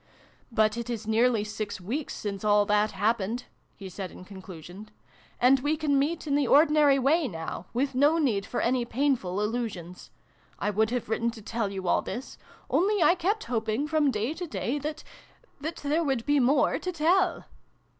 " But it is nearly six weeks since all that happened," he said in conclusion, " and we can meet in the ordinary way, now, with no need for any painful allusions. I would have written to tell you all this : only I kept hoping from day to day, that that there would be more to tell